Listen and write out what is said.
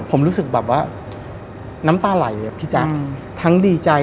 ผมรู้สึกแบบว่าน้ำตาไหลอยู่กับพี่จักรอืมทั้งดีใจ